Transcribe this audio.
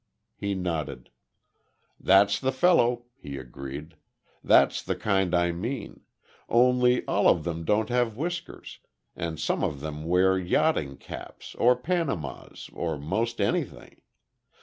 He nodded. "That's the fellow," he agreed. "That's the kind I mean only all of them don't have whiskers; and some of them wear yachting caps, or panamas, or most anything....